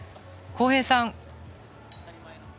航平さん